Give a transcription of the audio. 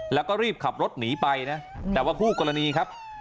แล้วก็รีบขับรถหนีไปนะแต่ว่าคู่กรณีครับ